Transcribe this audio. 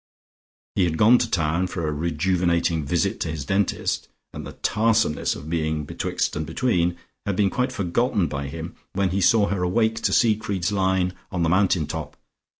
He had gone to town for a rejuvenating visit to his dentist, and the tarsomeness of being betwixt and between had been quite forgotten by him when he saw her awake to Siegfried's line on the mountain top.